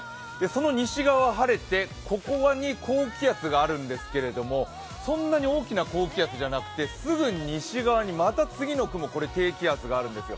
その西側は晴れて、ここに高気圧があるんですけれども、そんなに大きな高気圧じゃなくてすぐに西側にまた次の低気圧があるんです。